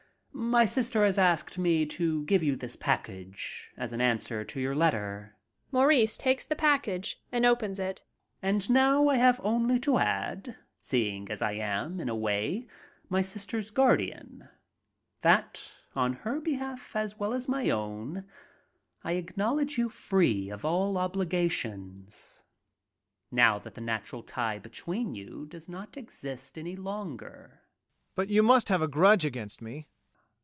My sister has asked me to give you this package as an answer to your letter. (MAURICE takes the package and opens it.) EMILE. And now I have only to add, seeing as I am in a way my sister's guardian, that, on her behalf as well as my own, I acknowledge you free of all obligations, now when the natural tie between you does not exist any longer. MAURICE. But you must have a grudge against me?